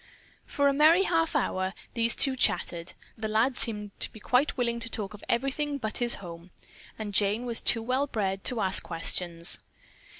For a merry half hour these two chattered. The lad seemed to be quite willing to talk of everything but his home, and Jane was too well bred to ask questions.